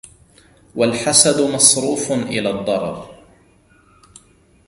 وَالْحَسَدُ مَصْرُوفٌ إلَى الضَّرَرِ